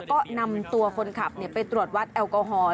ก็นำตัวคนขับไปตรวจวัดแอลกอฮอล